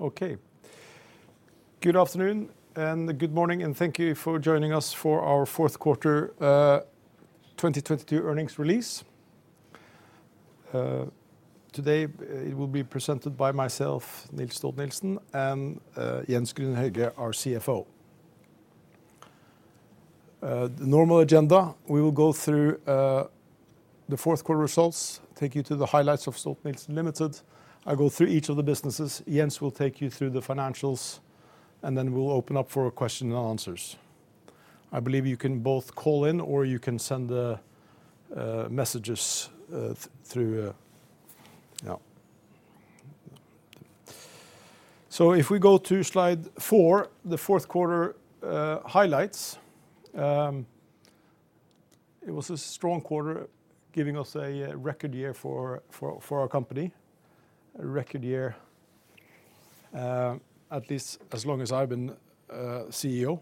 Okay. Good afternoon and good morning, thank you for joining us for our fourth quarter 2020 earnings release. Today, it will be presented by myself, Niels Stolt-Nielsen, and Jens Grüner-Hegge, our CFO. The normal agenda, we will go through the fourth quarter results, take you to the highlights of Stolt-Nielsen Limited. I'll go through each of the businesses. Jens will take you through the financials, and then we'll open up for question and answers. I believe you can both call in or you can send the messages through... Yeah. If we go to slide 4, the fourth quarter highlights. It was a strong quarter giving us a record year for our company. A record year, at least as long as I've been CEO.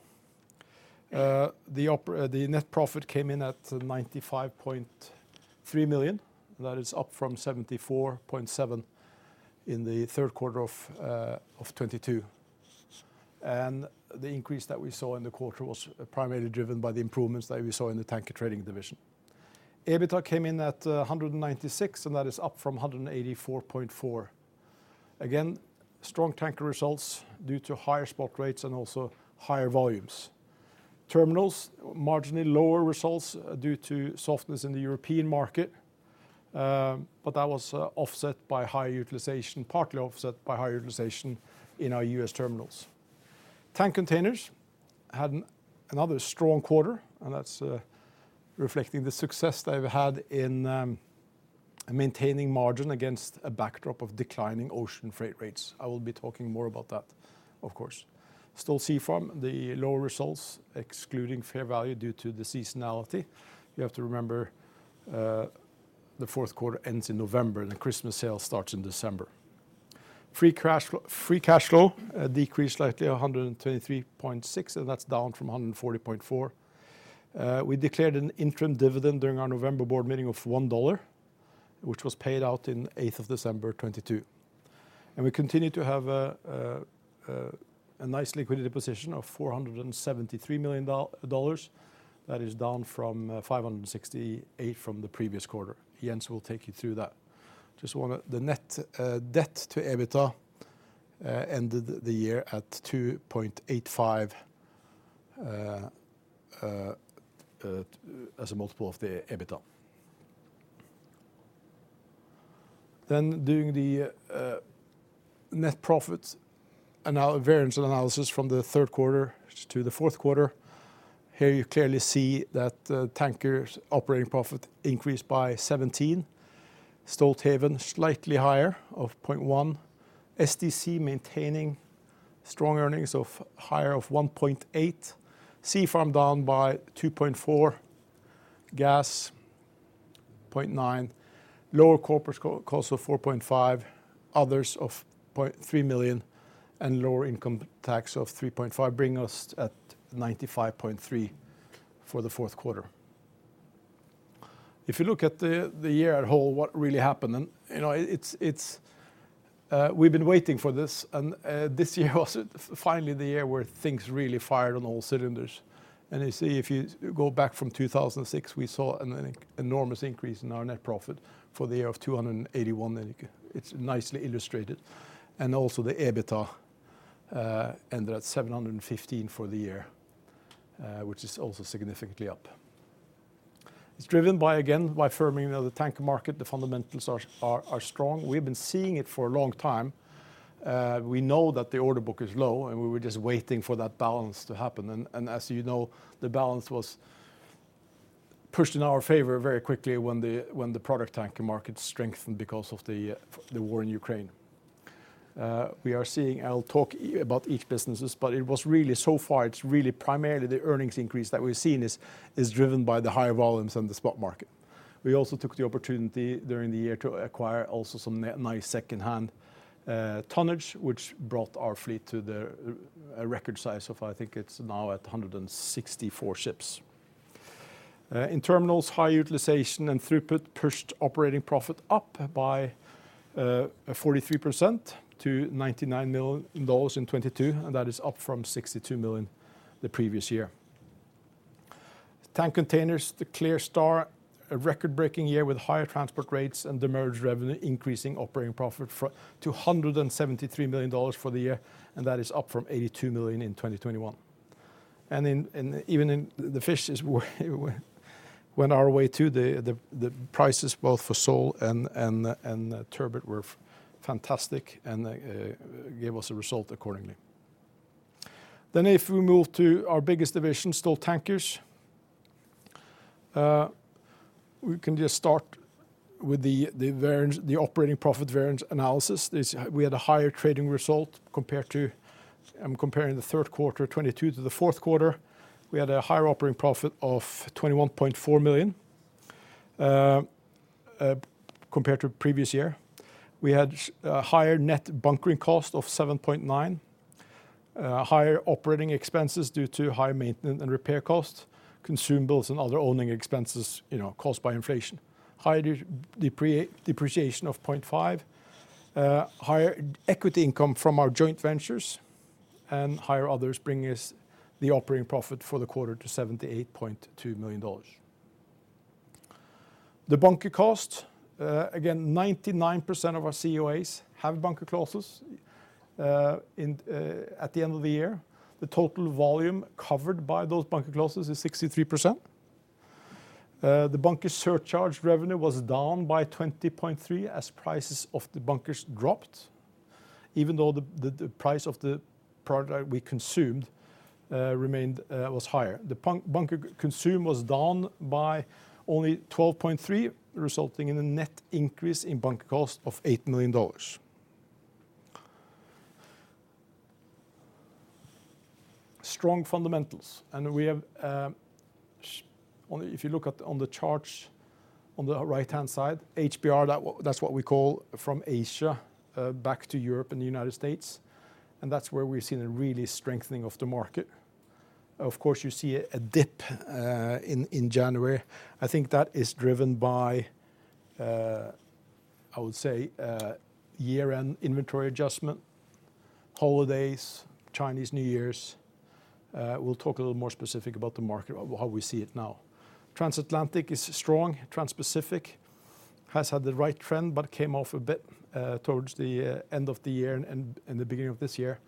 The net profit came in at $95.3 million. That is up from $74.7 million in the third quarter of 2022. The increase that we saw in the quarter was primarily driven by the improvements that we saw in the tanker trading division. EBITDA came in at $196 million, that is up from $184.4 million. Again, strong tanker results due to higher spot rates and also higher volumes. Terminals, marginally lower results due to softness in the European market, but that was offset by higher utilization, partly offset by higher utilization in our U.S. terminals. Tank containers had another strong quarter, and that's reflecting the success they've had in maintaining margin against a backdrop of declining ocean freight rates. I will be talking more about that, of course. Stolthaven, the lower results excluding fair value due to the seasonality. You have to remember, the fourth quarter ends in November, and the Christmas sale starts in December. Free cash flow decreased slightly $123.6, and that's down from $140.4. We declared an interim dividend during our November board meeting of $1, which was paid out in 8th of December 2022. We continue to have a nice liquidity position of $473 million. That is down from $568 from the previous quarter. Jens will take you through that. The net debt to EBITDA ended the year at 2.85 as a multiple of the EBITDA. Doing the net profit and our variance analysis from the third quarter to the fourth quarter. Here you clearly see that Tankers operating profit increased by $17. Stolthaven slightly higher of $0.1. SDC maintaining strong earnings of higher of $1.8. Sea Farm down by $2.4. Gas, $0.9. Lower corporate co-costs of $4.5. Others of $0.3 million, and lower income tax of $3.5, bringing us at $95.3 for the fourth quarter. If you look at the year at whole, what really happened, you know, it's we've been waiting for this, and this year was finally the year where things really fired on all cylinders. You see, if you go back from 2006, we saw an enormous increase in our net profit for the year of $281, it's nicely illustrated. Also the EBITDA ended at $715 for the year, which is also significantly up. It's driven by, again, by firming of the tanker market. The fundamentals are strong. We've been seeing it for a long time. We know that the order book is low, and we were just waiting for that balance to happen. As you know, the balance was pushed in our favor very quickly when the product tanker market strengthened because of the war in Ukraine. We are seeing, I'll talk about each businesses, it was really, so far, it's primarily the earnings increase that we've seen is driven by the higher volumes in the spot market. We also took the opportunity during the year to acquire also some nice secondhand tonnage, which brought our fleet to a record size of, I think it's now at 164 ships. In terminals, high utilization and throughput pushed operating profit up by 43% to $99 million in 2022, that is up from $62 million the previous year. Tank containers, the clear star, a record-breaking year with higher transport rates and the demurrage revenue increasing operating profit for, to $173 million for the year, that is up from $82 million in 2021. Even in the fishes went our way too. The prices both for sole and turbot were fantastic and gave us a result accordingly. If we move to our biggest division, Stolt Tankers. We can just start with the variance, the operating profit variance analysis. This, we had a higher trading result compared to, I'm comparing the third quarter 2022 to the fourth quarter. We had a higher operating profit of $21.4 million compared to previous year. We had a higher net bunkering cost of $7.9 million. Higher operating expenses due to high maintenance and repair costs, consumables, and other owning expenses, you know, caused by inflation. Higher depreciation of $0.5, higher equity income from our joint ventures, higher others bringing us the operating profit for the quarter to $78.2 million. The bunker cost, again, 99% of our COAs have bunker clauses. In, at the end of the year, the total volume covered by those bunker clauses is 63%. The bunker surcharge revenue was down by $20.3 as prices of the bunkers dropped, even though the price of the product we consumed remained was higher. The bunker consumed was down by only $12.3, resulting in a net increase in bunker cost of $8 million. Strong fundamentals. We have, if you look at, on the charts, on the right-hand side, HBR, that what, that's what we call from Asia, back to Europe and the United States, and that's where we're seeing a really strengthening of the market. Of course, you see a dip in January. I think that is driven by, I would say, year-end inventory adjustment, holidays, Chinese New Year. We'll talk a little more specific about the market, how we see it now. Transatlantic is strong. Transpacific has had the right trend, but came off a bit, towards the end of the year and the beginning of this year.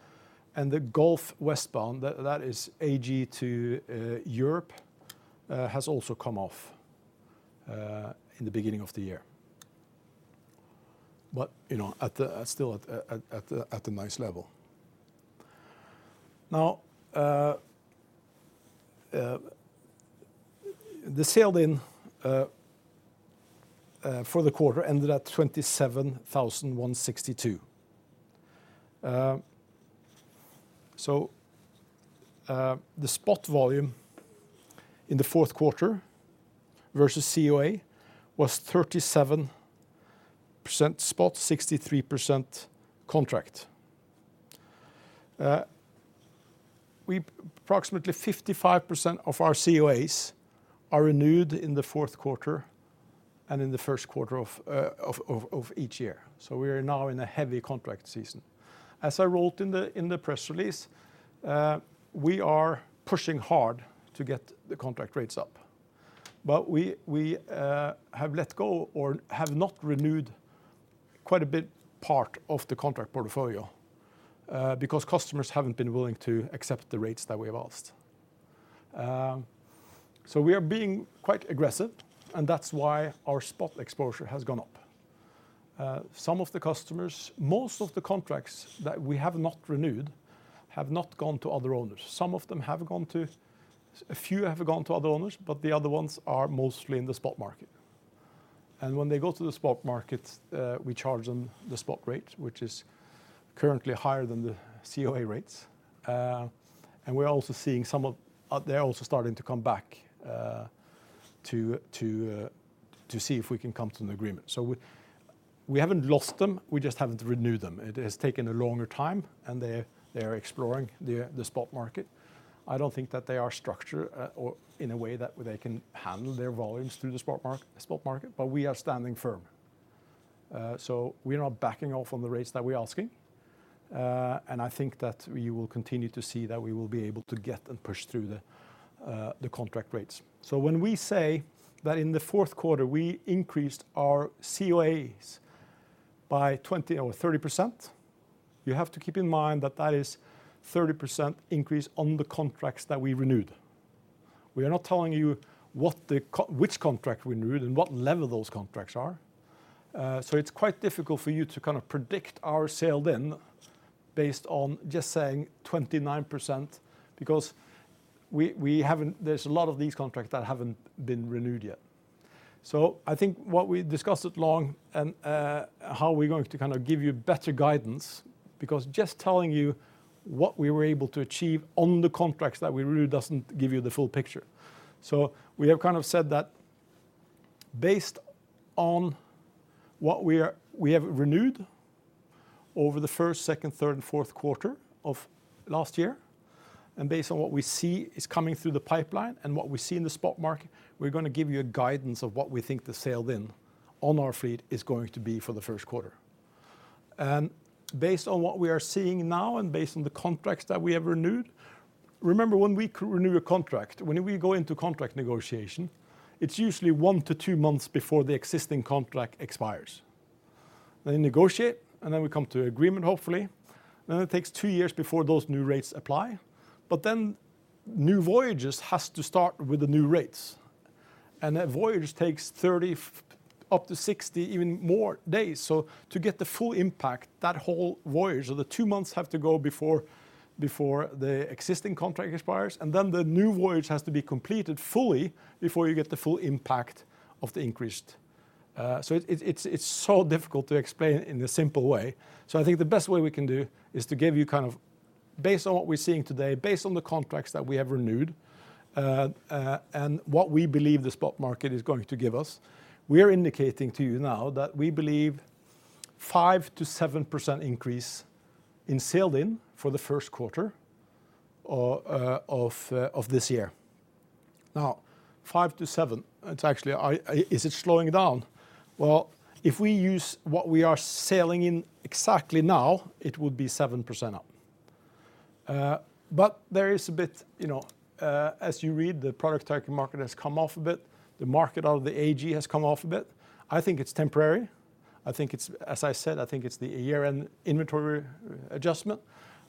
The Gulf westbound, that is AG to Europe, has also come off in the beginning of the year. You know, at the still at a nice level. Now, the sailed-in for the quarter ended at 27,162. The spot volume in the fourth quarter versus COA was 37% spot, 63% contract. Approximately 55% of our COAs are renewed in the fourth quarter and in the first quarter of each year. We are now in a heavy contract season. As I wrote in the press release, we are pushing hard to get the contract rates up. We have let go or have not renewed quite a bit, part of the contract portfolio, because customers haven't been willing to accept the rates that we have asked. We are being quite aggressive, and that's why our spot exposure has gone up. Most of the contracts that we have not renewed have not gone to other owners. A few have gone to other owners, but the other ones are mostly in the spot market. When they go to the spot market, we charge them the spot rate, which is currently higher than the COA rates. They're also starting to come back to see if we can come to an agreement. We haven't lost them, we just haven't renewed them. It has taken a longer time, they are exploring the spot market. I don't think that they are structured, or in a way that they can handle their volumes through the spot market. We are standing firm. We are not backing off on the rates that we're asking, and I think that you will continue to see that we will be able to get and push through the contract rates. When we say that in the fourth quarter, we increased our COAs by 20% or 30%, you have to keep in mind that that is 30% increase on the contracts that we renewed. We are not telling you what the which contract we renewed and what level those contracts are. It's quite difficult for you to kind of predict our sailed-in based on just saying 29%, because there's a lot of these contracts that haven't been renewed yet. I think what we discussed at long and how we're going to kind of give you better guidance, because just telling you what we were able to achieve on the contracts that we renewed doesn't give you the full picture. We have kind of said that based on what we are, we have renewed over the 1st, 2nd, 3rd, and 4th quarter of last year, and based on what we see is coming through the pipeline and what we see in the spot market, we're gonna give you a guidance of what we think the sailed-in on our fleet is going to be for the 1st quarter. Based on what we are seeing now and based on the contracts that we have renewed, remember, when we renew a contract, when we go into contract negotiation, it's usually 1 to 2 months before the existing contract expires. Negotiate, and then we come to agreement, hopefully. It takes 2 years before those new rates apply. New voyages has to start with the new rates. That voyage takes 30 up to 60, even more days. To get the full impact, that whole voyage or the 2 months have to go before the existing contract expires, and then the new voyage has to be completed fully before you get the full impact of the increased. It's so difficult to explain in a simple way. I think the best way we can do is to give you kind of based on what we're seeing today, based on the contracts that we have renewed, and what we believe the spot market is going to give us, we are indicating to you now that we believe 5%-7% increase in sailed-in for the first quarter of this year. Now, 5%-7%, it's actually, is it slowing down? Well, if we use what we are sailing in exactly now, it would be 7% up. There is a bit, you know, as you read, the product tanker market has come off a bit. The market out of the AG has come off a bit. I think it's temporary. I think it's, as I said, I think it's the year-end inventory adjustment.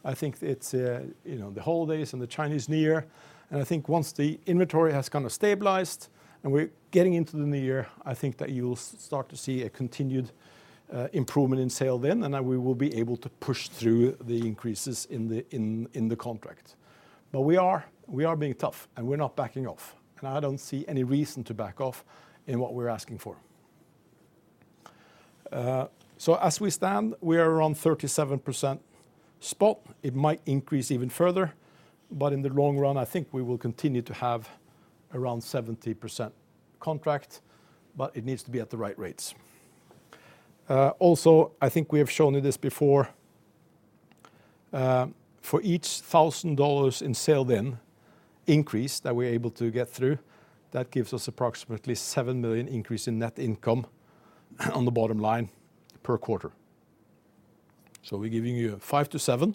I think it's, you know, the holidays and the Chinese New Year. I think once the inventory has kind of stabilized, and we're getting into the new year, I think that you'll start to see a continued improvement in sailed-in, and that we will be able to push through the increases in the contract. We are, we are being tough, and we're not backing off, and I don't see any reason to back off in what we're asking for. As we stand, we are around 37% spot. It might increase even further. In the long run, I think we will continue to have around 70% contract, but it needs to be at the right rates. Also, I think we have shown you this before. For each $1,000 in sailed-in increase that we're able to get through, that gives us approximately $7 million increase in net income on the bottom line per quarter. We're giving you $5-$7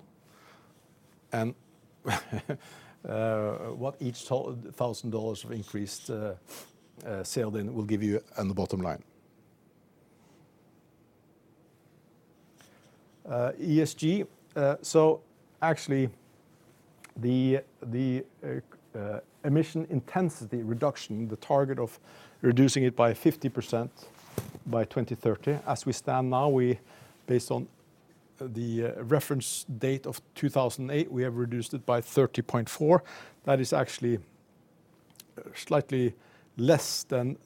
and what each $1,000 of increased sailed-in will give you on the bottom line. ESG. Actually, the emission intensity reduction, the target of reducing it by 50% by 2030, as we stand now, we, based on the reference date of 2028, we have reduced it by 30.4%. That is actually slightly less than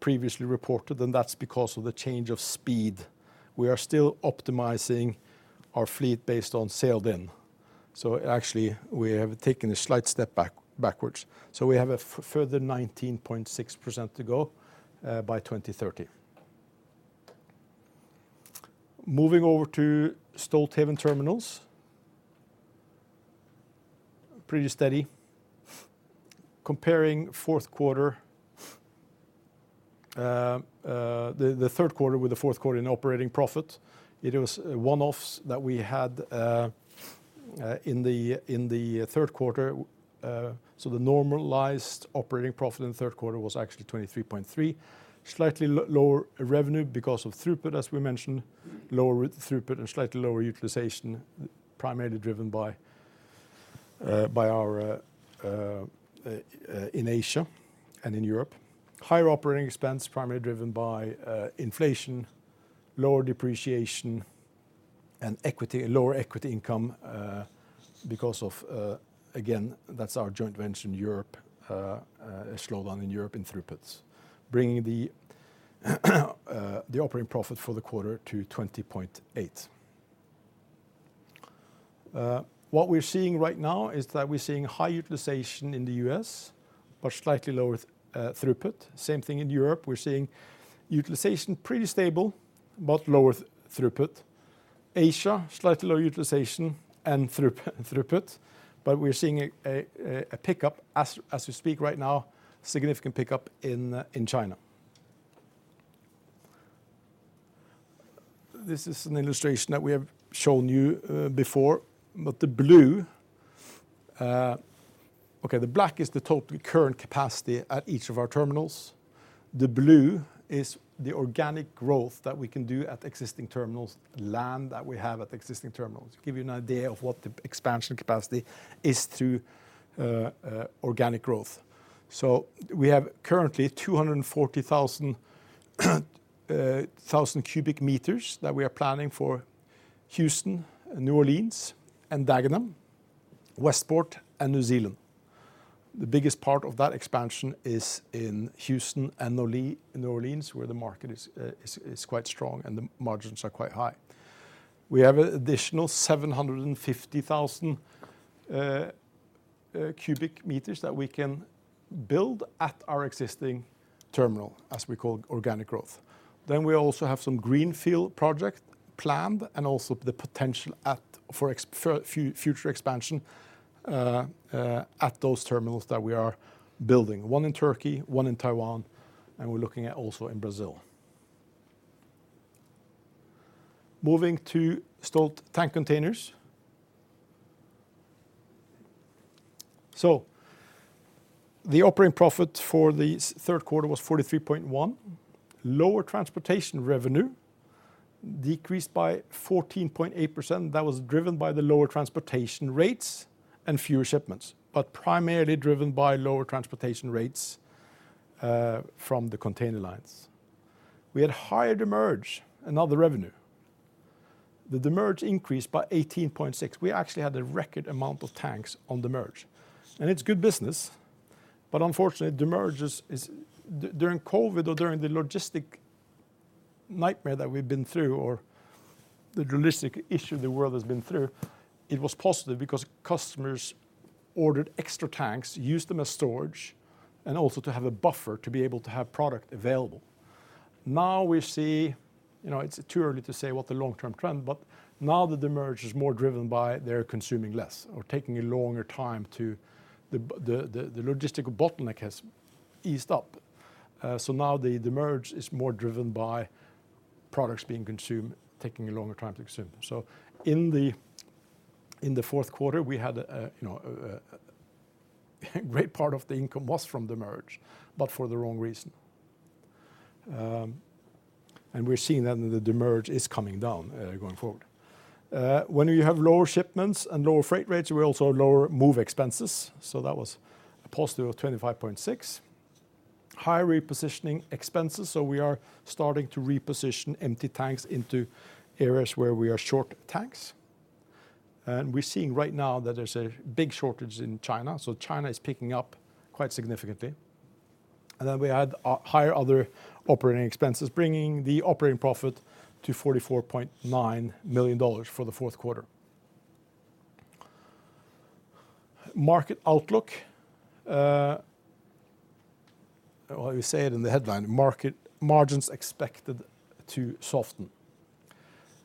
previously reported, and that's because of the change of speed. We are still optimizing our fleet based on sailed-in. Actually, we have taken a slight step backwards. We have a further 19.6% to go by 2030. Moving over to Stolthaven Terminals. Pretty steady. Comparing fourth quarter, the third quarter with the fourth quarter in operating profit, it was one-offs that we had in the third quarter. The normalized operating profit in the third quarter was actually $23.3. Slightly lower revenue because of throughput, as we mentioned. Lower throughput and slightly lower utilization, primarily driven by our in Asia and in Europe. Higher operating expense, primarily driven by inflation, lower depreciation, and equity, lower equity income, because of again, that's our joint venture in Europe, a slowdown in Europe in throughputs. Bringing the operating profit for the quarter to $20.8. What we're seeing right now is that we're seeing high utilization in the U.S., but slightly lower throughput. Same thing in Europe. We're seeing utilization pretty stable, but lower throughput. Asia, slightly lower utilization and throughput. We're seeing a pickup as we speak right now, significant pickup in China. This is an illustration that we have shown you before. The blue, the black is the total current capacity at each of our terminals. The blue is the organic growth that we can do at existing terminals, land that we have at existing terminals. Give you an idea of what the expansion capacity is through organic growth. We have currently 240,000 cu m that we are planning for Houston, New Orleans, and Dagenham, Westport, and New Zealand. The biggest part of that expansion is in Houston and New Orleans, where the market is quite strong and the margins are quite high. We have an additional 750,000 cu m that we can build at our existing terminal, as we call organic growth. We also have some greenfield project planned and also the potential at, for future expansion, at those terminals that we are building, one in Turkey, one in Taiwan, and we're looking at also in Brazil. Moving to Stolt Tank Containers. The operating profit for the third quarter was $43.1. Lower transportation revenue decreased by 14.8%. That was driven by the lower transportation rates and fewer shipments, but primarily driven by lower transportation rates from the container lines. We had higher demurrage and other revenue. The demurrage increased by 18.6. We actually had a record amount of tanks on demurrage. It's good business, but unfortunately, demurrage is during COVID or during the logistical nightmare that we've been through or the drastic issue the world has been through, it was positive because customers ordered extra tanks, used them as storage, and also to have a buffer to be able to have product available. Now we see, you know, it's too early to say what the long-term trend, but now the demurrage is more driven by they're consuming less or taking a longer time to the logistical bottleneck has eased up. Now the demurrage is more driven by products being consumed, taking a longer time to consume. In the fourth quarter, we had, you know, a great part of the income was from demurrage, but for the wrong reason. We're seeing that the demurrage is coming down going forward. When you have lower shipments and lower freight rates, we also lower move expenses. That was a positive of $25.6. Higher repositioning expenses, so we are starting to reposition empty tanks into areas where we are short tanks. We're seeing right now that there's a big shortage in China, so China is picking up quite significantly. We add higher other operating expenses, bringing the operating profit to $44.9 million for the fourth quarter. Market outlook, well, we say it in the headline, market margins expected to soften.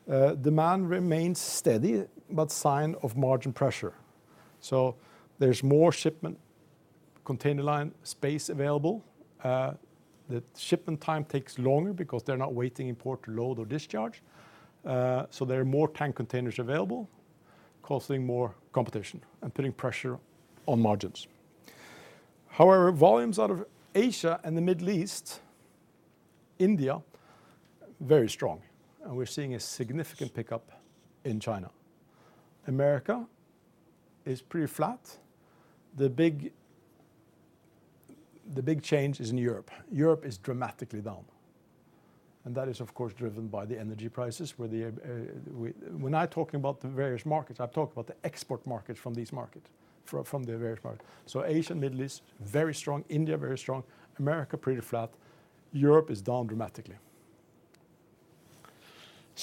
Demand remains steady, but sign of margin pressure. There's more shipment container line space available. The shipment time takes longer because they're not waiting in port to load or discharge. There are more tank containers available, causing more competition and putting pressure on margins. However, volumes out of Asia and the Middle East, India, very strong, and we're seeing a significant pickup in China. America is pretty flat. The big, the big change is in Europe. Europe is dramatically down, and that is of course driven by the energy prices, where the, when I'm talking about the various markets, I'm talking about the export market from these markets, from the various markets. Asia, Middle East, very strong. India, very strong. America, pretty flat. Europe is down dramatically.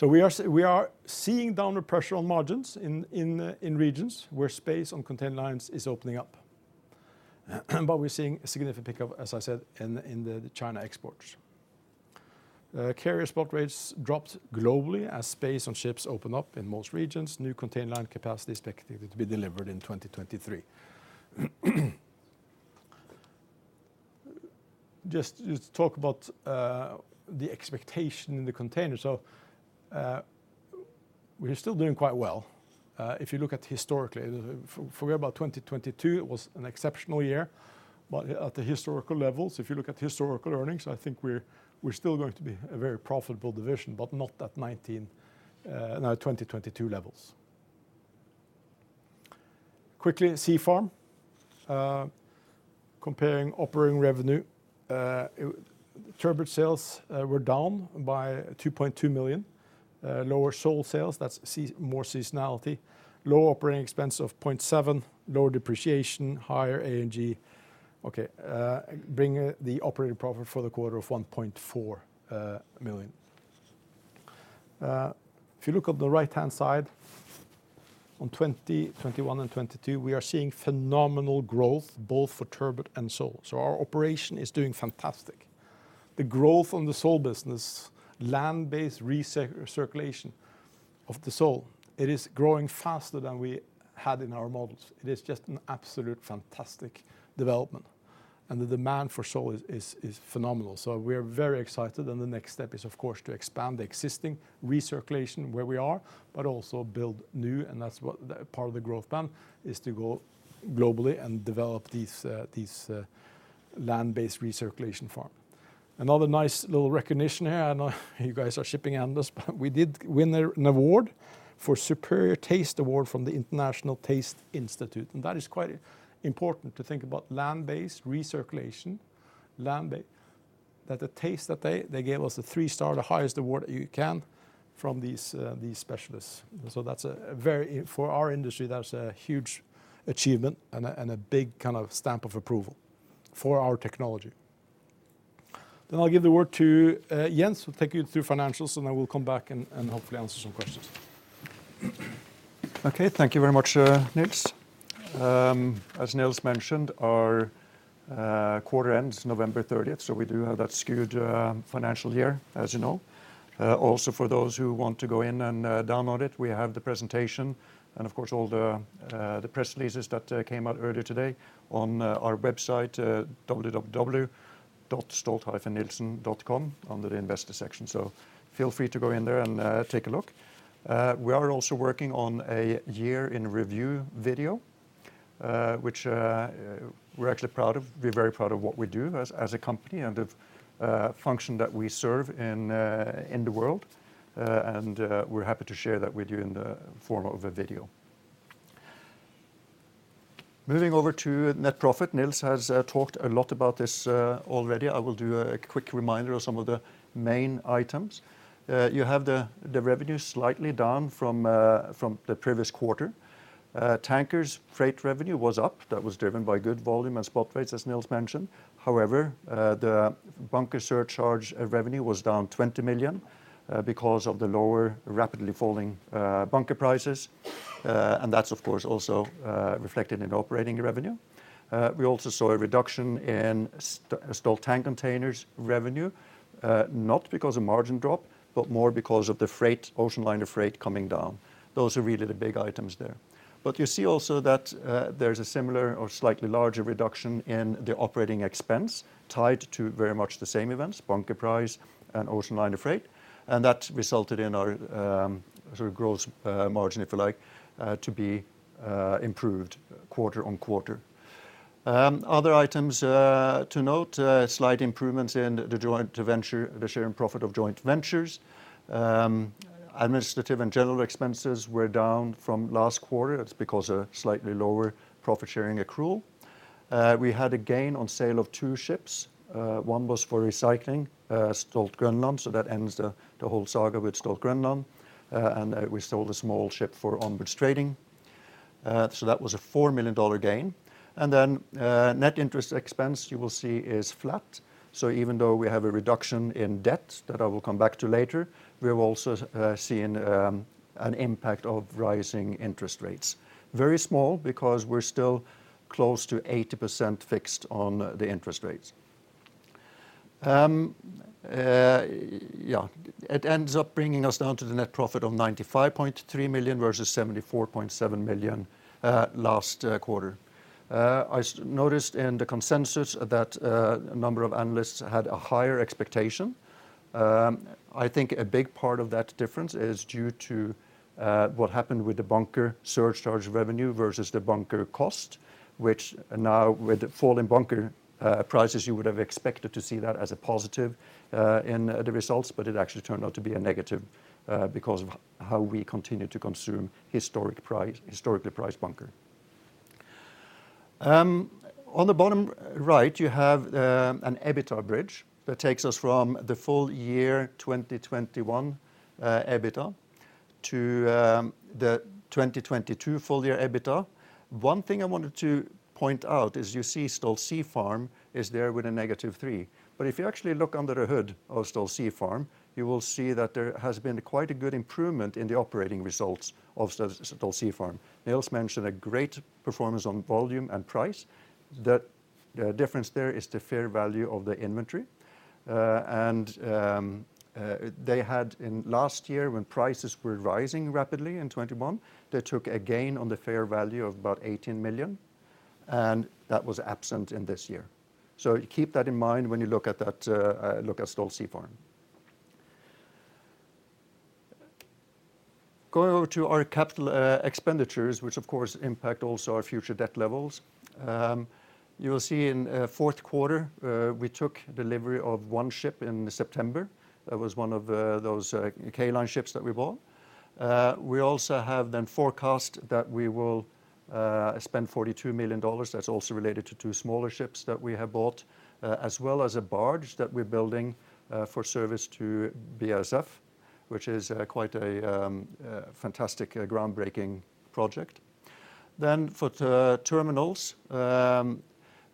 We are seeing downward pressure on margins in regions where space on container lines is opening up. We're seeing a significant pickup, as I said, in the China exports. Carrier spot rates dropped globally as space on ships open up in most regions. New container line capacity is expected to be delivered in 2023. Just to talk about the expectation in the containers. We're still doing quite well. If you look at historically, forget about 2022, it was an exceptional year. At the historical levels, if you look at historical earnings, I think we're still going to be a very profitable division, but not at 19, no, 2022 levels. Quickly, Sea Farm. Comparing operating revenue, turbot sales were down by $2.2 million. Lower sole sales, that's sea-more seasonality. Lower operating expense of $0.7, lower depreciation, higher A&G. Bringing the operating profit for the quarter of $1.4 million. If you look at the right-hand side, on 20, 2021 and 2022, we are seeing phenomenal growth both for turbot and sole. Our operation is doing fantastic. The growth on the sole business, land-based recirculation of the sole, it is growing faster than we had in our models. It is just an absolute fantastic development. The demand for sole is phenomenal. We're very excited, and the next step is of course to expand the existing recirculation where we are, but also build new, and that's what part of the growth plan is to go globally and develop these land-based recirculation farm. Another nice little recognition here, I know you guys are shipping analysts, but we did win an award for Superior Taste Award from the International Taste Institute. That is quite important to think about land-based recirculation, land-based, that the taste that they gave us a three-star, the highest award you can from these specialists. That's a very, for our industry, that's a huge achievement and a big kind of stamp of approval for our technology. I'll give the word to Jens, who'll take you through financials, and I will come back and hopefully answer some questions. Okay. Thank you very much, Niels. As Niels mentioned, our quarter ends November 30th, we do have that skewed financial year, as you know. Also for those who want to go in and download it, we have the presentation and of course, all the press releases that came out earlier today on our website, www.stolt-nielsen.com under the investor section. Feel free to go in there and take a look. We are also working on a year in review video, which we're actually proud of. We're very proud of what we do as a company and the function that we serve in the world. We're happy to share that with you in the form of a video. Moving over to net profit, Niels has talked a lot about this already. I will do a quick reminder of some of the main items. You have the revenue slightly down from the previous quarter. Tankers freight revenue was up. That was driven by good volume and spot rates, as Nils mentioned. However, the bunker surcharge revenue was down $20 million because of the lower, rapidly falling bunker prices. That's of course also reflected in operating revenue. We also saw a reduction in Stolt Tank Containers revenue, not because of margin drop, but more because of the freight, ocean liner freight coming down. Those are really the big items there. You see also that there's a similar or slightly larger reduction in the operating expense tied to very much the same events, bunker price and ocean liner freight. That resulted in our sort of gross margin, if you like, to be improved quarter on quarter. Other items to note, slight improvements in the joint venture, the share and profit of joint ventures. Administrative and general expenses were down from last quarter. It's because of slightly lower profit-sharing accrual. We had a gain on sale of two ships. One was for recycling, Stolt Groenland, so that ends the whole saga with Stolt Groenland. We sold a small ship for onwards trading. That was a $4 million gain. Net interest expense, you will see, is flat. Even though we have a reduction in debt that I will come back to later, we have also seen an impact of rising interest rates. Very small because we're still close to 80% fixed on the interest rates. It ends up bringing us down to the net profit of $95.3 million versus $74.7 million last quarter. I noticed in the consensus that a number of analysts had a higher expectation. I think a big part of that difference is due to what happened with the bunker surcharge revenue versus the bunker cost, which now with the fall in bunker prices, you would have expected to see that as a positive in the results, but it actually turned out to be a negative because of how we continue to consume historic price, historically priced bunker. On the bottom right, you have an EBITDA bridge that takes us from the full year 2021 EBITDA to the 2022 full year EBITDA. One thing I wanted to point out is you see Stolt Sea Farm is there with a negative $3. If you actually look under the hood of Stolt Sea Farm, you will see that there has been quite a good improvement in the operating results of Stolt Sea Farm. Nils mentioned a great performance on volume and price. The difference there is the fair value of the inventory. And they had in last year, when prices were rising rapidly in 2021, they took a gain on the fair value of about $18 million, and that was absent in this year. Keep that in mind when you look at that, look at Stolt Sea Farm. Going over to our capital expenditures, which of course impact also our future debt levels. You will see in fourth quarter, we took delivery of 1 ship in September. That was one of those K Line ships that we bought. We also have then forecast that we will spend $42 million. That's also related to 2 smaller ships that we have bought, as well as a barge that we're building for service to BASF, which is quite a fantastic groundbreaking project. For the terminals,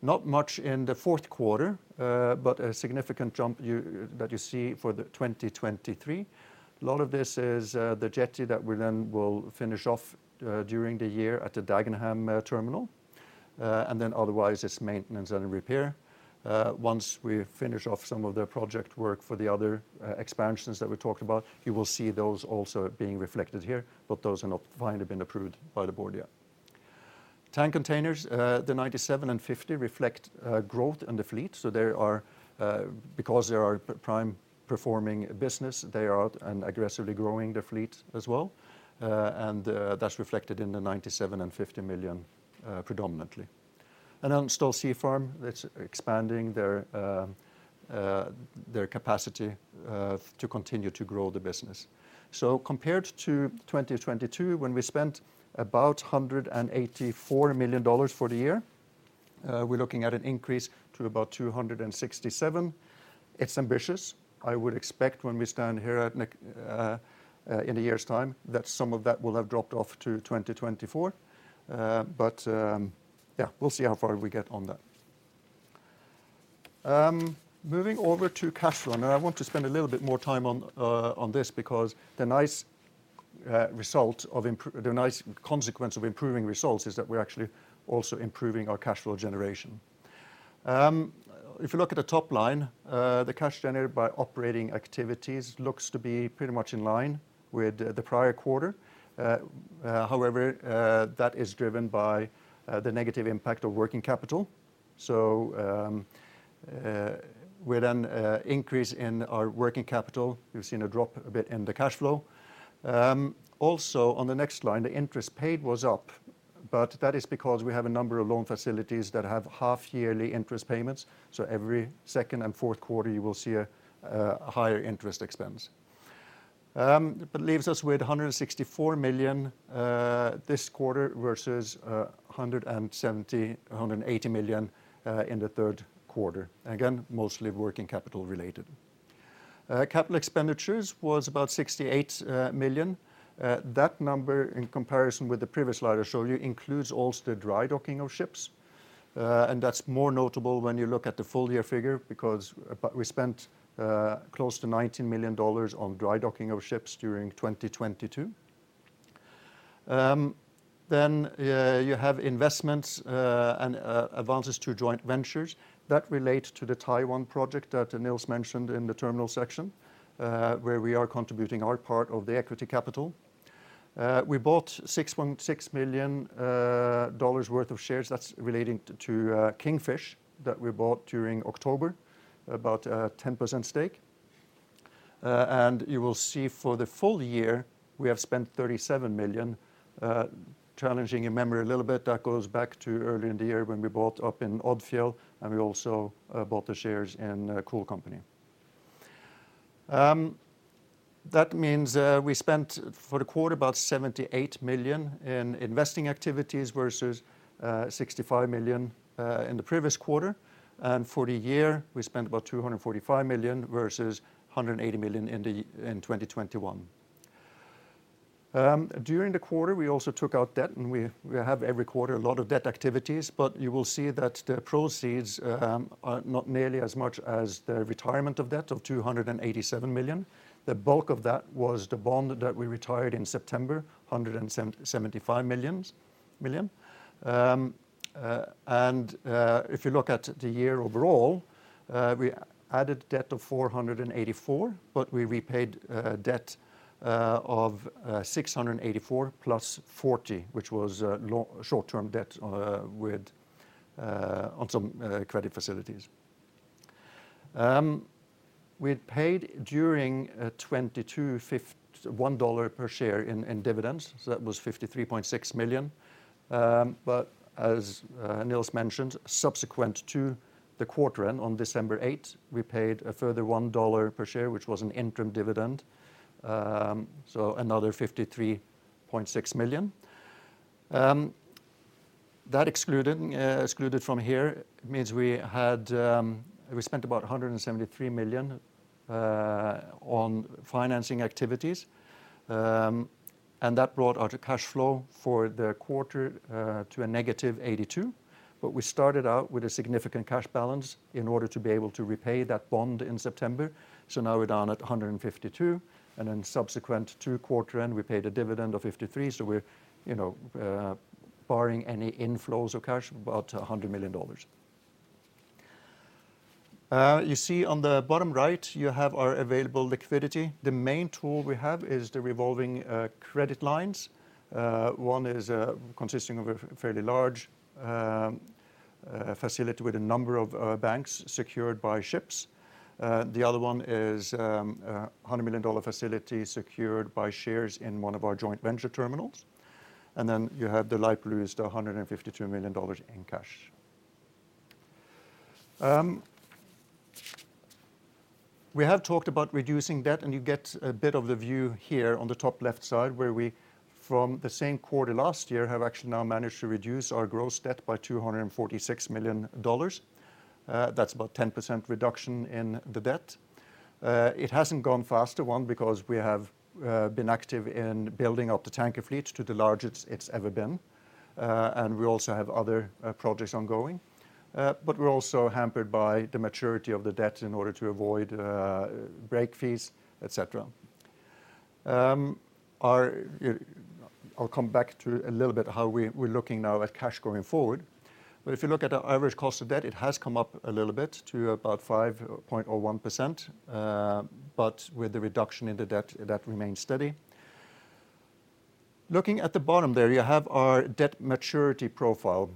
not much in the fourth quarter, but a significant jump you, that you see for the 2023. A lot of this is the jetty that we then will finish off during the year at the Dagenham terminal. Otherwise, it's maintenance and repair. Once we finish off some of the project work for the other expansions that we talked about, you will see those also being reflected here, but those are not finally been approved by the board yet. Tank Containers, the 97 and 50 reflect growth in the fleet. There are, because they are a prime performing business, they are out and aggressively growing their fleet as well. That's reflected in the $97 and $50 million predominantly. Stolt Sea Farm, that's expanding their capacity to continue to grow the business. Compared to 2022, when we spent about $184 million for the year, we're looking at an increase to about $267 million. It's ambitious. I would expect when we stand here in a year's time that some of that will have dropped off to 2024. But, yeah, we'll see how far we get on that. Moving over to cash flow. Now, I want to spend a little bit more time on this because the nice consequence of improving results is that we're actually also improving our cash flow generation. If you look at the top line, the cash generated by operating activities looks to be pretty much in line with the prior quarter. However, that is driven by the negative impact of working capital. With an increase in our working capital, you've seen a drop a bit in the cash flow. Also on the next line, the interest paid was up, but that is because we have a number of loan facilities that have half-yearly interest payments. Every second and fourth quarter, you will see a higher interest expense. That leaves us with $164 million this quarter versus $170 million-$180 million in the third quarter. Again, mostly working capital related. Capital expenditures was about $68 million. That number, in comparison with the previous slide I showed you, includes also the dry docking of ships. That's more notable when you look at the full year figure, because we spent close to $19 million on dry docking of ships during 2022. You have investments and advances to joint ventures that relate to the Taiwan project that Niels mentioned in the terminal section, where we are contributing our part of the equity capital. We bought $6.6 million worth of shares that's relating to Kingfish that we bought during October, about 10% stake. You will see for the full year, we have spent $37 million challenging your memory a little bit, that goes back to earlier in the year when we bought up in Odfjell, and we also bought the shares in CoolCo. That means, we spent for the quarter about $78 million in investing activities versus $65 million in the previous quarter. For the year, we spent about $245 million versus $180 million in 2021. During the quarter, we also took out debt, and we have every quarter a lot of debt activities, but you will see that the proceeds are not nearly as much as the retirement of debt of $287 million. The bulk of that was the bond that we retired in September, $175 million. If you look at the year overall, we added debt of $484, but we repaid debt of $684$40, which was short-term debt with on some credit facilities. We paid during 2022, $51 per share in dividends, so that was $53.6 million. As Niels mentioned, subsequent to the quarter end on December 8th, we paid a further $1 per share, which was an interim dividend, another $53.6 million. That excluding excluded from here means we had we spent about $173 million on financing activities, that brought our cash flow for the quarter to a -$82 million. We started out with a significant cash balance in order to be able to repay that bond in September, now we're down at $152 million. Subsequent to quarter end, we paid a dividend of $53 million, we're, you know, barring any inflows of cash, about $100 million. You see on the bottom right, you have our available liquidity. The main tool we have is the revolving credit lines. One is consisting of a fairly large facility with a number of banks secured by ships. The other one is a $100 million facility secured by shares in one of our joint venture terminals. You have the light blue is the $152 million in cash. We have talked about reducing debt, and you get a bit of the view here on the top left side, where we, from the same quarter last year, have actually now managed to reduce our gross debt by $246 million. That's about 10% reduction in the debt. It hasn't gone faster, one, because we have been active in building up the tanker fleet to the largest it's ever been, and we also have other projects ongoing. We're also hampered by the maturity of the debt in order to avoid break fees, et cetera. I'll come back to a little bit how we're looking now at cash going forward. If you look at our average cost of debt, it has come up a little bit to about 5.01%, but with the reduction in the debt, that remains steady. Looking at the bottom there, you have our debt maturity profile.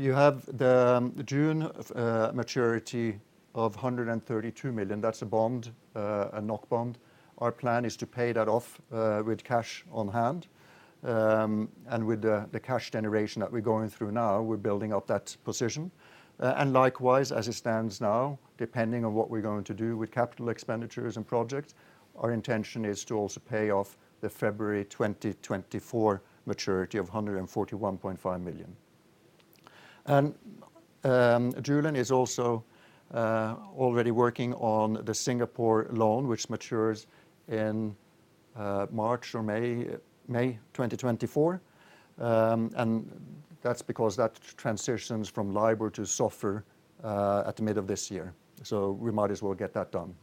You have the June maturity of $132 million. That's a bond, a NOK bond. Our plan is to pay that off with cash on hand, and with the cash generation that we're going through now, we're building up that position. Likewise, as it stands now, depending on what we're going to do with capital expenditures and projects, our intention is to also pay off the February 2024 maturity of $141.5 million. Julián is also already working on the Singapore loan, which matures in March or May 2024. That's because that transitions from LIBOR to SOFR at the middle of this year. We might as well get that done.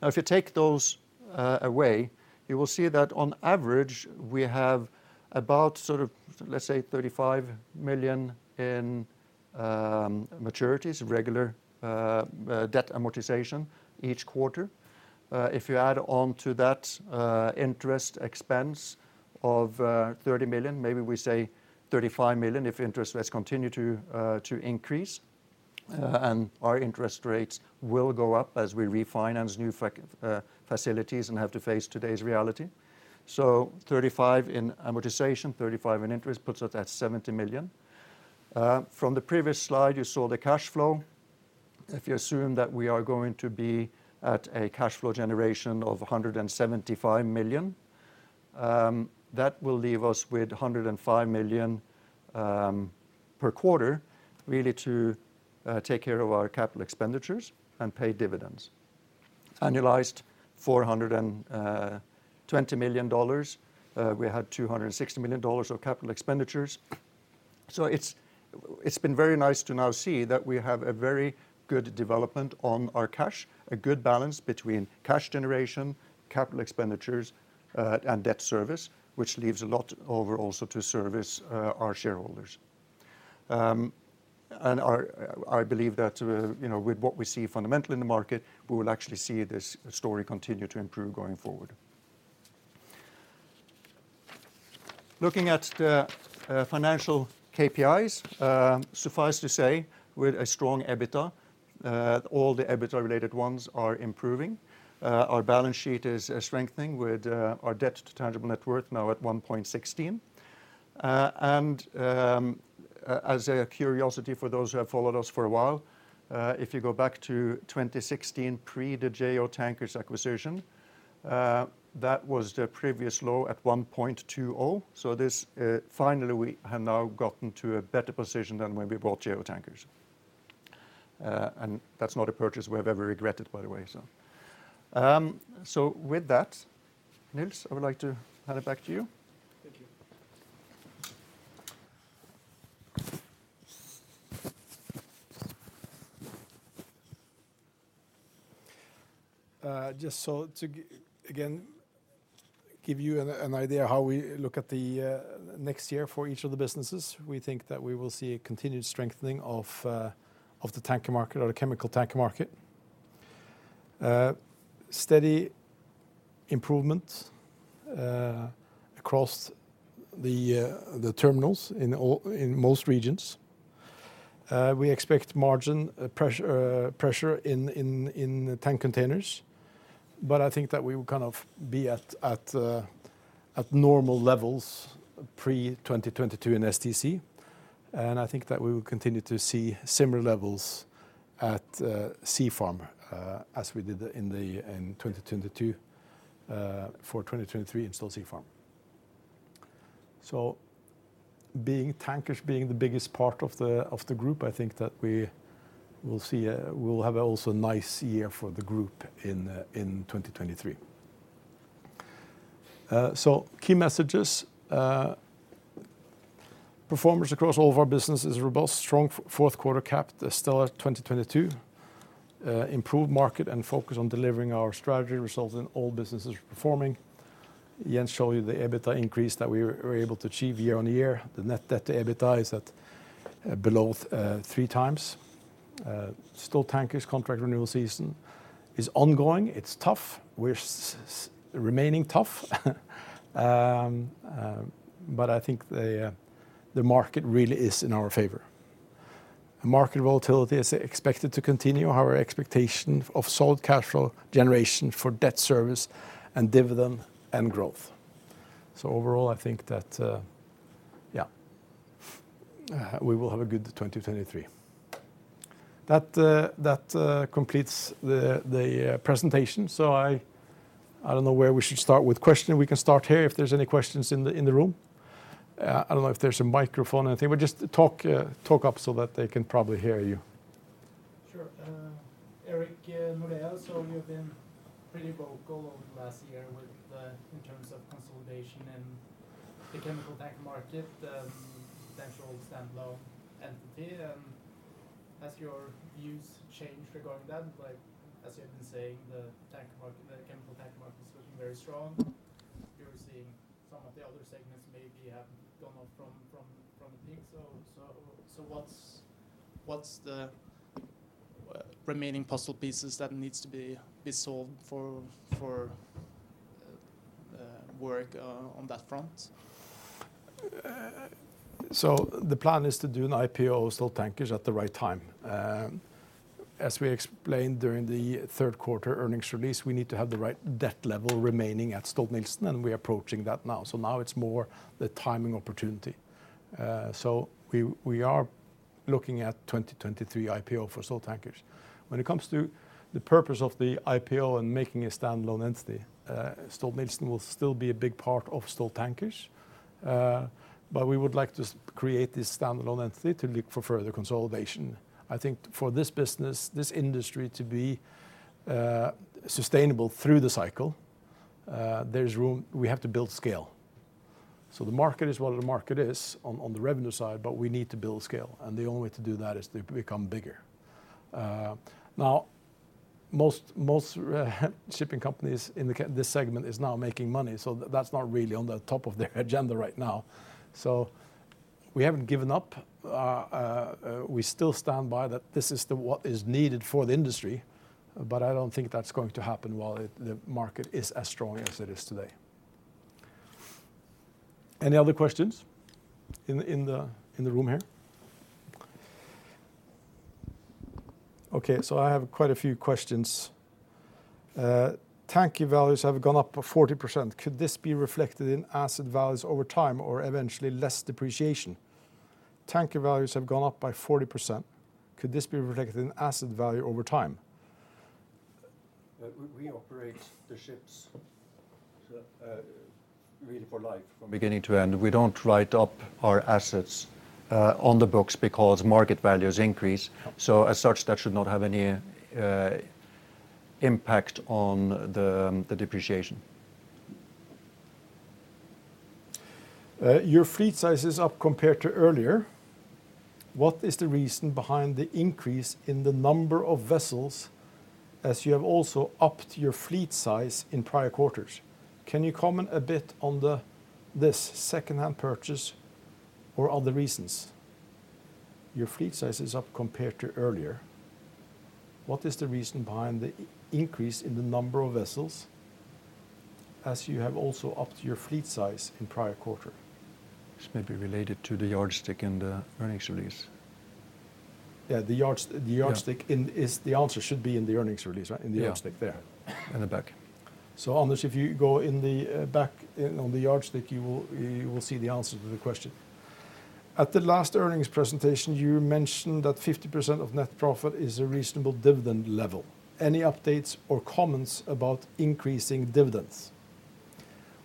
Now, if you take those away, you will see that on average, we have about sort of, let's say, $35 million in maturities, regular debt amortization each quarter. If you add on to that, interest expense of $30 million, maybe we say $35 million, if interest rates continue to increase, and our interest rates will go up as we refinance new facilities and have to face today's reality. Thirty-five in amortization, $35 in interest puts us at $70 million. From the previous slide, you saw the cash flow. If you assume that we are going to be at a cash flow generation of $175 million, that will leave us with $105 million per quarter, really to take care of our capital expenditures and pay dividends. Annualized $420 million, we had $260 million of capital expenditures. It's been very nice to now see that we have a very good development on our cash, a good balance between cash generation, capital expenditures, and debt service, which leaves a lot over also to service our shareholders. I believe that, you know, with what we see fundamentally in the market, we will actually see this story continue to improve going forward. Looking at financial KPIs, suffice to say, with a strong EBITDA, all the EBITDA-related ones are improving. Our balance sheet is strengthening with our Debt to Tangible Net Worth now at 1.16. As a curiosity for those who have followed us for a while, if you go back to 2016 pre the Jo Tankers acquisition, that was the previous low at 1.20. This, finally we have now gotten to a better position than when we bought Jo Tankers. That's not a purchase we have ever regretted, by the way. With that, Niels, I would like to hand it back to you. Thank you. Just again, give you an idea how we look at the next year for each of the businesses. We think that we will see a continued strengthening of the tanker market or the chemical tanker market. Steady improvement across the terminals in most regions. We expect margin pressure in tank containers, but I think that we will kind of be at normal levels pre 2022 in STC. I think that we will continue to see similar levels at Sea Farm as we did in 2022 for 2023 in Stolt Sea Farm. Tankers being the biggest part of the group, I think that we will have also nice year for the group in 2023. Key messages. Performance across all of our businesses is robust. Strong fourth quarter capped a stellar 2022. Improved market and focus on delivering our strategy results in all businesses performing. Again, show you the EBITDA increase that we were able to achieve year-on-year. The net debt to EBITDA is at below 3x. Stolt Tankers contract renewal season is ongoing. It's tough. We're remaining tough. I think the market really is in our favor. Market volatility is expected to continue. Our expectation of solid cash flow generation for debt service and dividend and growth. Overall, I think that, yeah, we will have a good 2023. That completes the presentation. I don't know where we should start with questioning. We can start here if there's any questions in the room. I don't know if there's a microphone or anything, but just talk up so that they can probably hear you. Sure. Erik Nørre, you've been pretty vocal over the last year with the, in terms of consolidation in the chemical tanker market, potential standalone entity. Has your views changed regarding that? Like, as you've been saying, the tanker market, the chemical tanker market is looking very strong. You're seeing some of the other segments maybe have gone up from the peak. What's, what's the remaining puzzle pieces that needs to be solved for work on that front? The plan is to do an IPO of Stolt Tankers at the right time. As we explained during the third quarter earnings release, we need to have the right debt level remaining at Stolt-Nielsen, and we are approaching that now. Now it's more the timing opportunity. We are looking at 2023 IPO for Stolt Tankers. When it comes to the purpose of the IPO and making a standalone entity, Stolt-Nielsen will still be a big part of Stolt Tankers. But we would like to create this standalone entity to look for further consolidation. I think for this business, this industry to be sustainable through the cycle, there's room, we have to build scale. The market is what the market is on the revenue side, but we need to build scale, and the only way to do that is to become bigger. Now, most shipping companies in this segment is now making money, so that's not really on the top of their agenda right now. We haven't given up. We still stand by that this is the, what is needed for the industry, but I don't think that's going to happen while it, the market is as strong as it is today. Any other questions in the room here? Okay. I have quite a few questions. Tanker values have gone up by 40%. Could this be reflected in asset values over time or eventually less depreciation? Tanker values have gone up by 40%. Could this be reflected in asset value over time? We operate the ships, really for life, from beginning to end. We don't write up our assets, on the books because market values increase. As such, that should not have any impact on the depreciation. Your fleet size is up compared to earlier. What is the reason behind the increase in the number of vessels as you have also upped your fleet size in prior quarters? Can you comment a bit on this secondhand purchase or other reasons? Your fleet size is up compared to earlier. What is the reason behind the increase in the number of vessels, as you have also upped your fleet size in prior quarter? This may be related to the yardstick in the earnings release. Yeah, the yards-. Yeah... the yardstick in, is, the answer should be in the earnings release, right? Yeah. In the yardstick there. In the back. Anders, if you go in the back in, on the yardstick, you will see the answer to the question. At the last earnings presentation, you mentioned that 50% of net profit is a reasonable dividend level. Any updates or comments about increasing dividends?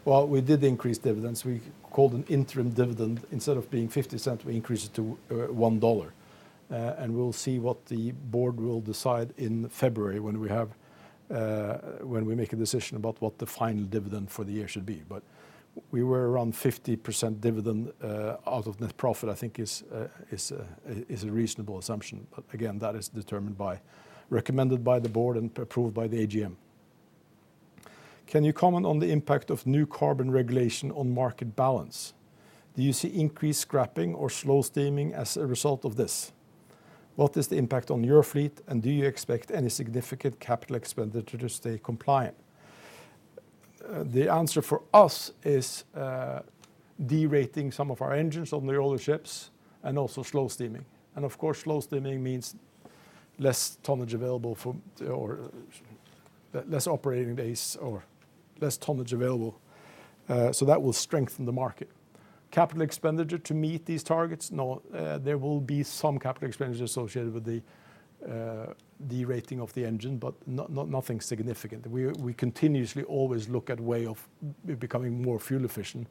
We did increase dividends. We called an interim dividend. Instead of being $0.50, we increased it to $1. We'll see what the board will decide in February when we have when we make a decision about what the final dividend for the year should be. We were around 50% dividend out of net profit, I think is a reasonable assumption. Again, that is determined by, recommended by the board and approved by the AGM. Can you comment on the impact of new carbon regulation on market balance? Do you see increased scrapping or slow steaming as a result of this? What is the impact on your fleet, and do you expect any significant capital expenditure to stay compliant? The answer for us is derating some of our engines on the older ships and also slow steaming. Of course, slow steaming means less tonnage available for or less operating days or less tonnage available. That will strengthen the market. Capital expenditure to meet these targets? No. There will be some capital expenditure associated with the derating of the engine, but nothing significant. We continuously always look at way of becoming more fuel efficient.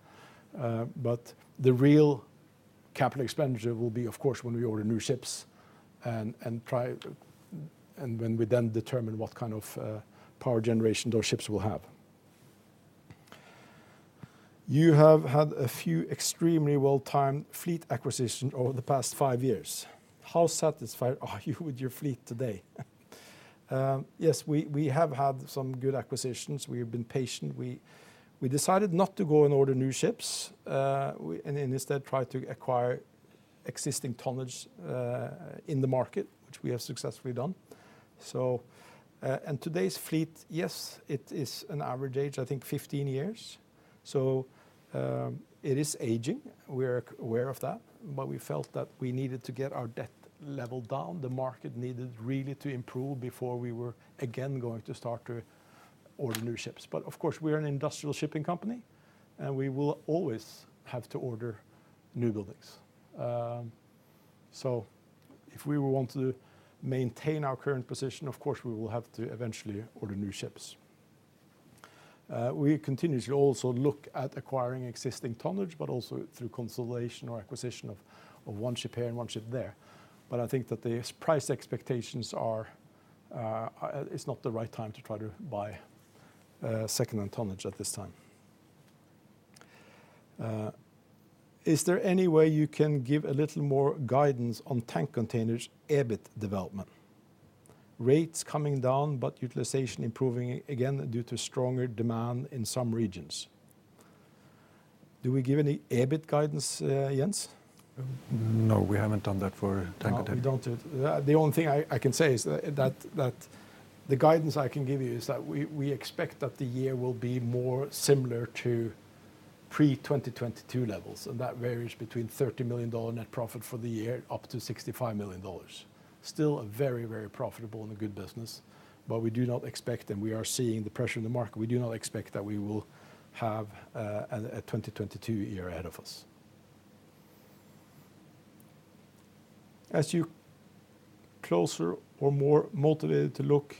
The real capital expenditure will be, of course, when we order new ships and try, and when we then determine what kind of power generation those ships will have. You have had a few extremely well-timed fleet acquisition over the past five years. How satisfied are you with your fleet today? Yes, we have had some good acquisitions. We have been patient. We decided not to go and order new ships, and instead try to acquire existing tonnage in the market, which we have successfully done. Today's fleet, yes, it is an average age, I think 15 years. It is aging. We are aware of that, we felt that we needed to get our debt level down. The market needed really to improve before we were again going to start to order new ships. Of course, we are an industrial shipping company, and we will always have to order new buildings. If we want to maintain our current position, of course, we will have to eventually order new ships. We continuously also look at acquiring existing tonnage, but also through consolidation or acquisition of one ship here and one ship there. I think that the price expectations are, it's not the right time to try to buy second-hand tonnage at this time. Is there any way you can give a little more guidance on Stolt Tank Containers EBIT development? Rates coming down, but utilization improving again due to stronger demand in some regions. Do we give any EBIT guidance, Jens? No, we haven't done that for tank container. No, we don't do it. The only thing I can say is that the guidance I can give you is that we expect that the year will be more similar to pre-2022 levels. That varies between $30 million net profit for the year, up to $65 million. Still a very, very profitable and a good business. We do not expect, and we are seeing the pressure in the market. We do not expect that we will have a 2022 year ahead of us. Are you closer or more motivated to look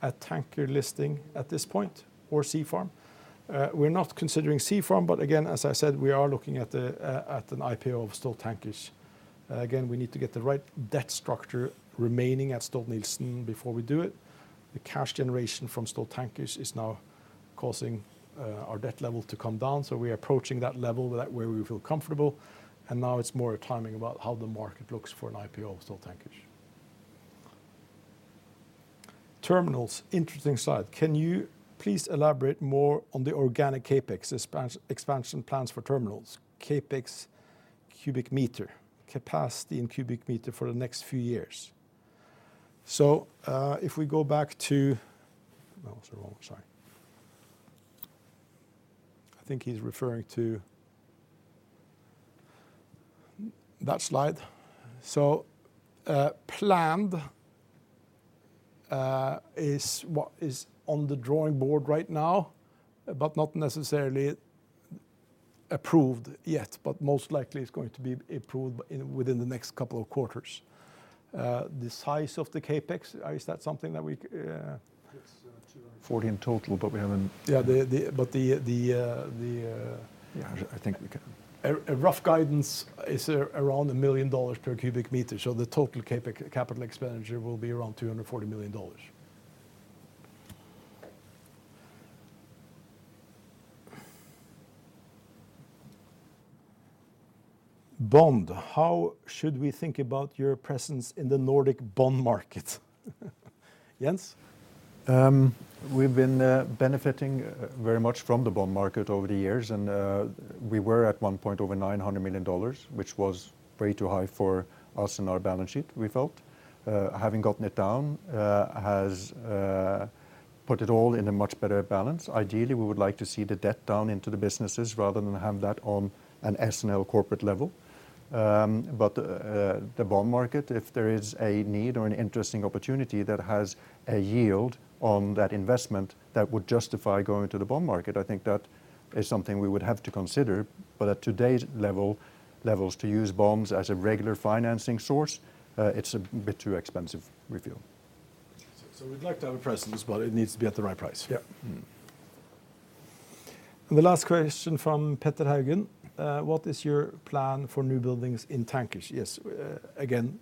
at tanker listing at this point or Sea Farm? We're not considering Sea Farm. As I said, we are looking at an IPO of Stoltankers. We need to get the right debt structure remaining at Stolt-Nielsen before we do it. The cash generation from Stolt Tankers is now causing our debt level to come down. We are approaching that level where we feel comfortable, and now it's more a timing about how the market looks for an IPO of Stolt Tankers. Terminals, interesting slide. Can you please elaborate more on the organic CapEx expansion plans for Terminals, CapEx cubic meter, capacity in cubic meter for the next few years? If we go back to... No, sorry, wrong slide. I think he's referring to that slide. Planned is what is on the drawing board right now, but not necessarily approved yet, but most likely it's going to be approved in, within the next couple of quarters. The size of the CapEx, is that something that we- It's, 240 in total, but we haven't- Yeah, the, but the. Yeah, I think we can. A rough guidance is around $1 million per cubic meter. The total CapEx, capital expenditure will be around $240 million. Bond, how should we think about your presence in the Nordic bond market? Jens? We've been benefiting very much from the bond market over the years, we were at one point over $900 million, which was way too high for us and our balance sheet, we felt. Having gotten it down has put it all in a much better balance. Ideally, we would like to see the debt down into the businesses rather than have that on an S&L corporate level. The bond market, if there is a need or an interesting opportunity that has a yield on that investment that would justify going to the bond market, I think that is something we would have to consider. At today's levels, to use bonds as a regular financing source, it's a bit too expensive, we feel. We'd like to have a presence, but it needs to be at the right price. Yeah. Mm. The last question from Petter Haugan, what is your plan for new buildings in tankers? Yes, again,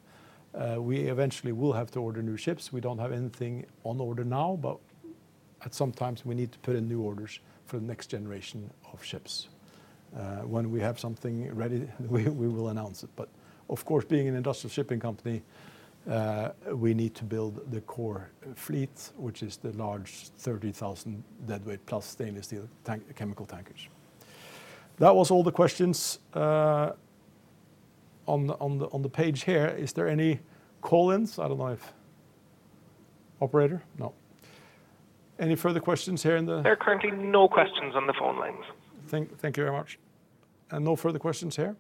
we eventually will have to order new ships. We don't have anything on order now, but at some times we need to put in new orders for the next generation of ships. When we have something ready, we will announce it. Of course, being an industrial shipping company, we need to build the core fleet, which is the large 30,000 deadweight plus stainless steel tank, chemical tankers. That was all the questions on the page here. Is there any call-ins? Operator? No. There are currently no questions on the phone lines. Thank you very much. No further questions here.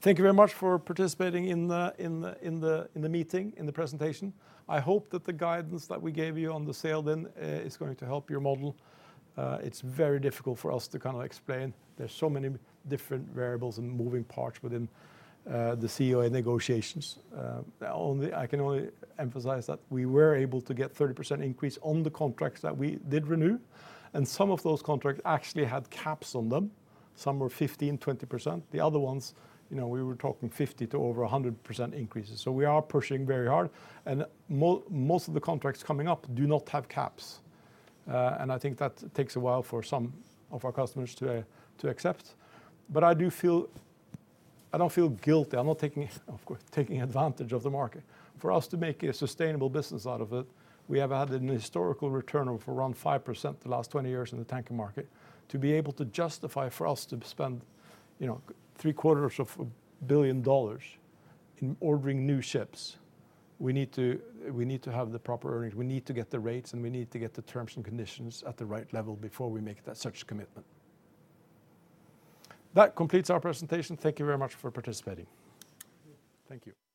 Thank you very much for participating in the meeting, in the presentation. I hope that the guidance that we gave you on the sailed-in then is going to help your model. It's very difficult for us to kind of explain. There's so many different variables and moving parts within the COA negotiations. I can only emphasize that we were able to get 30% increase on the contracts that we did renew, and some of those contracts actually had caps on them. Some were 15%, 20%. The other ones, you know, we were talking 50% to over 100% increases, so we are pushing very hard. Most of the contracts coming up do not have caps. I think that takes a while for some of our customers to accept. I do feel. I don't feel guilty. I'm not, of course, taking advantage of the market. For us to make a sustainable business out of it, we have had an historical return of around 5% the last 20 years in the tanker market. To be able to justify for us to spend, you know, three-quarters of a billion dollars in ordering new ships, we need to have the proper earnings, we need to get the rates, and we need to get the terms and conditions at the right level before we make that such commitment. That completes our presentation. Thank you very much for participating. Thank you.